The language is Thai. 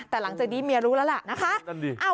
แต่หลังจากนี้เมียรู้แล้วแหละ